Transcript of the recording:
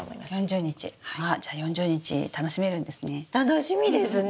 じゃあ４０日楽しめるんですね。